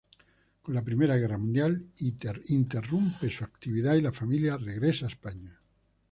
Con la Primera Guerra Mundial interrumpe su actividad y la familia regresa a España.